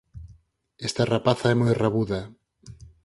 Esta rapaza é moi rabuda